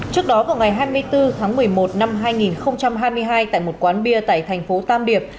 trước đó vào ngày hai mươi bốn tháng một mươi một năm hai nghìn hai mươi hai tại một quán bia tại thành phố tam điệp